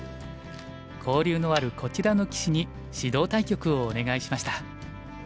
交流のあるこちらの棋士に指導対局をお願いしました。